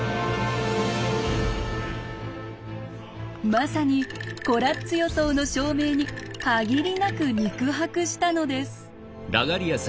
まさにコラッツ予想の証明に限りなく肉薄したのです。